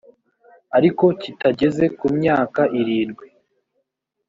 ariko kitageze ku myaka irindwi